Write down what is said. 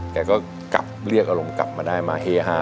แกก็กลับเรียกอารมณ์กลับมาได้มาเฮฮา